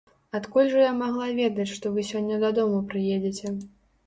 Адкуль жа я магла ведаць, што вы сёння дадому прыедзеце.